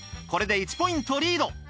これで１ポイントリード。